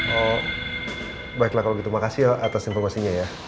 oh baiklah kalau gitu makasih ya atas informasinya ya